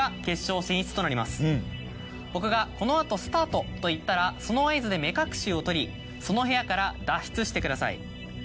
僕がこの後スタートと言ったらその合図で目隠しを取りその部屋から脱出してください。